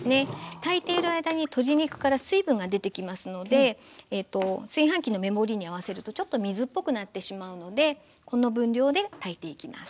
炊いている間に鶏肉から水分が出てきますので炊飯器の目盛りに合わせるとちょっと水っぽくなってしまうのでこの分量で炊いていきます。